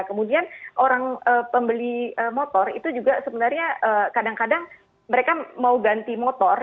kemudian orang pembeli motor itu juga sebenarnya kadang kadang mereka mau ganti motor